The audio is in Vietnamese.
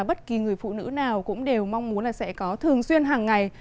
bất kỳ người phụ nữ nào cũng đều mong muốn là sẽ có thường xuyên hàng ngày